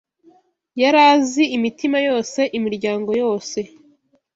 Yari azi imitima yose, imiryango yose,